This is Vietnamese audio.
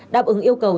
đáp ứng yêu cầu